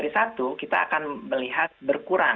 kalau kurang dari satu kita akan melihat berkurang